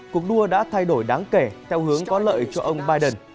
cuộc đua đã thay đổi đáng kể theo hướng có lợi cho ông biden